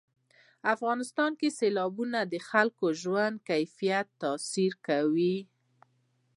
افغانستان کې سیلابونه د خلکو د ژوند کیفیت تاثیر کوي.